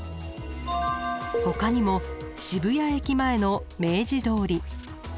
ほかにも渋谷駅前の明治通り。